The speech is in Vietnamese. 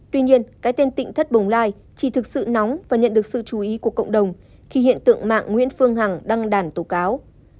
tuy nhiên cái tên tịnh thất bồng lai chỉ thực sự nóng và nhận được sự chú ý của cộng đồng khi hiện tượng mạng nguyễn phương hằng đăng đàn tổ cáo